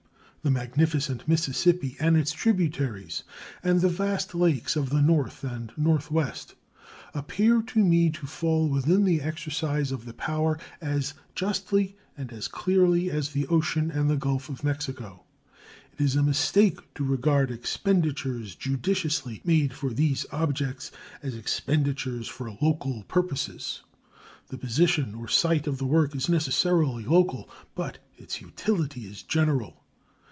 The magnificent Mississippi and its tributaries and the vast lakes of the North and Northwest appear to me to fall within the exercise of the power as justly and as clearly as the ocean and the Gulf of Mexico. It is a mistake to regard expenditures judiciously made for these objects as expenditures for local purposes. The position or sight of the work is necessarily local, but its utility is general.